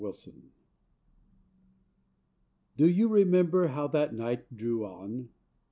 ANSWERED Do you remember how that night drew on?